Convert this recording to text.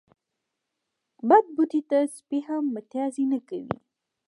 بد بوټي ته سپي هم متازې نه کوی.